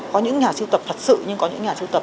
có những nhà sưu tập thật sự nhưng có những nhà sưu tập